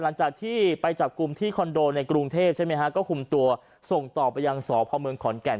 หลังจากที่ไปจับกลุ่มที่คอนโดในกรุงเทพฯก็คุมตัวส่งต่อไปยังสพคอนแก่น